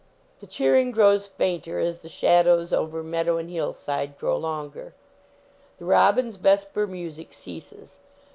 The cheering grows fainter, as the shadows over meadow and hillside grow longer. The robin s vesper music ceases.